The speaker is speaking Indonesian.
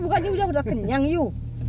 bukannya udah kenyang yuk